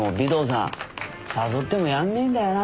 誘ってもやんねえんだよな。